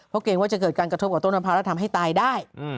เพราะกันเกิดกันกระทบกับต้นมะพร้าวแล้วทำให้ตายได้